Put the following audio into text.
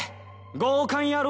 強姦野郎